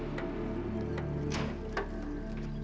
terima kasih tuan